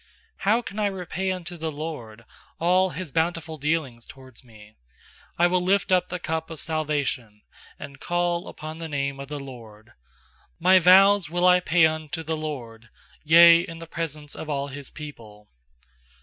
12How can I repay unto the LORD All His bountiful dealings toward me? 860 PSALMS 118 20 13I will lift up the cup of salvation, And call upon the name of the LORD. 14My vows will I pay unto the LORD, Yea, in the presence of all His people.